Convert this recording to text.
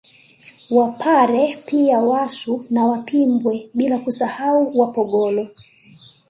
Wapare pia Wasu na Wapimbwe bila kusahau Wapogolo